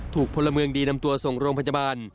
พลเมืองดีนำตัวส่งโรงพยาบาล